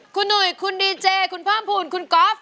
คุณหนุ่ยคุณดีเจคุณพร่ำพูนคุณก๊อฟ